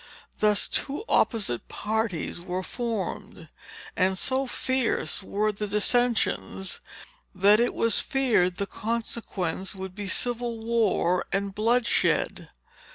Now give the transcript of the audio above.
Thus two opposite parties were formed; and so fierce were the dissensions, that it was feared the consequence would be civil war and bloodshed.